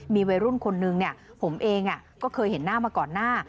มีวัยรุ่นคนนึงผมเองก็เคยเห็นหน้ามาก่อนหน้า